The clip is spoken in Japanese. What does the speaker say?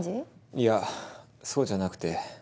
いやそうじゃなくて。